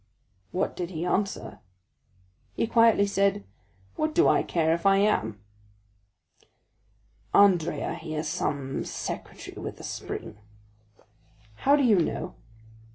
'" "What did he answer?" "He quietly said, 'What do I care if I am?'" "Andrea, he has some secretaire with a spring." "How do you know?"